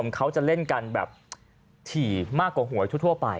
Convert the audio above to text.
เขาจะเล่นกันแบบถี่มากกว่าหวยทั่วไป